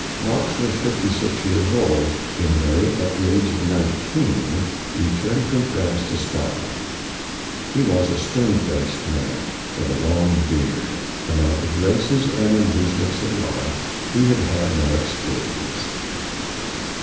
Knox was fifty six years old when Mary, at the age of nineteen, returned from France to Scotland. He was a stern faced man, with a long beard. Of the graces and amusements of life he had had no experience.